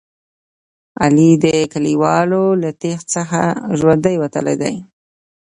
علي د کلیوالو له تېغ څخه ژوندی وتلی دی.